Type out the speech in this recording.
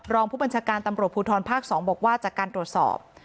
รองผู้บัญชาการตำรวจภูทรภาค๒บอกว่าจากการตรวจสอบ